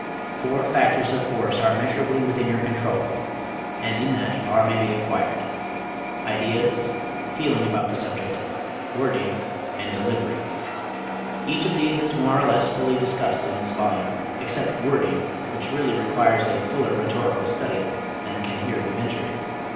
Four factors of force are measurably within your control, and in that far may be acquired: ideas, feeling about the subject, wording, and delivery. Each of these is more or less fully discussed in this volume, except wording, which really requires a fuller rhetorical study than can here be ventured.